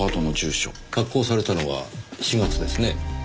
発行されたのは４月ですね。